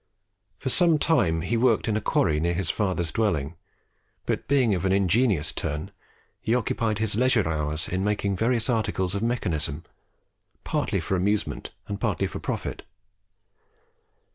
For some time he worked in a quarry near his father's dwelling; but being of an ingenious turn, he occupied his leisure in making various articles of mechanism, partly for amusement and partly for profit.